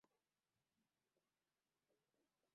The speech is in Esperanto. La plejparto de la areo de la lago estas nacia parko.